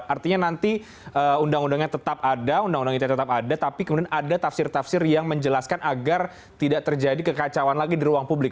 artinya nanti undang undangnya tetap ada undang undang ite tetap ada tapi kemudian ada tafsir tafsir yang menjelaskan agar tidak terjadi kekacauan lagi di ruang publik